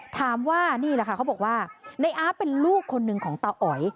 ถามว่านี่แหละค่ะเขาบอกว่าในอาร์ตเป็นลูกคนหนึ่งของตาอ๋อย